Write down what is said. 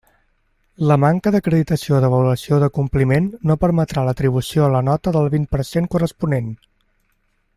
La manca d'acreditació d'avaluació d'acompliment no permetrà l'atribució a la nota del vint per cent corresponent.